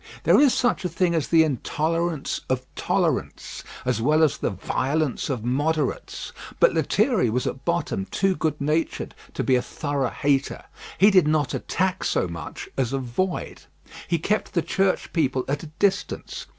There is such a thing as the intolerance of tolerants, as well as the violence of moderates. But Lethierry was at bottom too good natured to be a thorough hater. He did not attack so much as avoid. He kept the church people at a distance.